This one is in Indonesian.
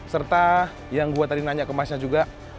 serta yang gue tadi nanya ke masnya juga